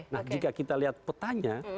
nah jika kita lihat petanya